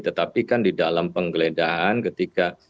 tetapi kan di dalam penggeledahan ketika